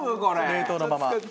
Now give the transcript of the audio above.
冷凍のまま。